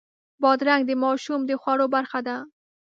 بادرنګ د ماشوم د خوړو برخه ده.